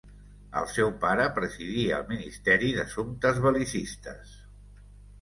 El seu pare presidia el Ministeri d'Assumptes Bel·licistes.